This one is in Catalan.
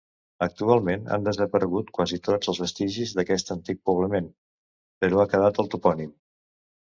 Actualment han desaparegut quasi tots els vestigis d'aquest antic poblament, però ha quedat el topònim.